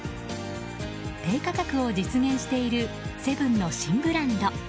低価格を実現しているセブンの新ブランド。